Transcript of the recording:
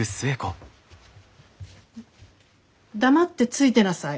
黙ってついてなさい。